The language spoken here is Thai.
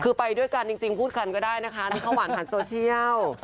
คือไปด้วยกันจริงพูดกันก็ได้นะคะแล้วเขาหวานผ่านโซเชียล